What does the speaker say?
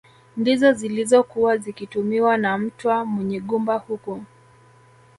Ndizo zilizokuwa zikitumiwa na Mtwa Munyigumba huku